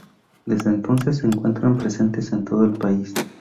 Desde entonces se encuentran presentes en todo el país.